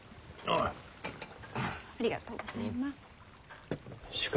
ありがとうございます。